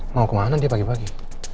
mau kemana dia pagi pagi